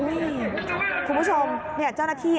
นี่คุณผู้ชมเจ้าหน้าที่